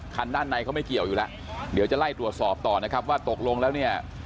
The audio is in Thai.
คันด้านในเขาไม่เกี่ยวอยู่แล้วเดี๋ยวจะไล่ตรวจสอบต่อนะครับว่าตกลงแล้วเนี่ย